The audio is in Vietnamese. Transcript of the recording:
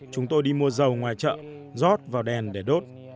chúng tôi đi mua dầu ngoài chợ rót vào đèn để đốt